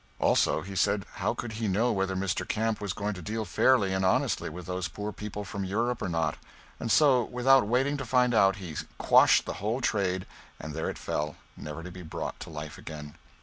Also he said how could he know whether Mr. Camp was going to deal fairly and honestly with those poor people from Europe or not? and so, without waiting to find out, he quashed the whole trade, and there it fell, never to be brought to life again.